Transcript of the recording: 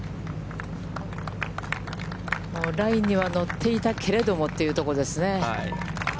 ラインには乗っていたけれどもというところですね。